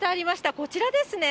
こちらですね。